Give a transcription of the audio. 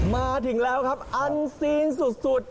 มาถึงแล้วครับอันซีนสุด